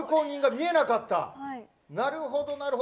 なるほど。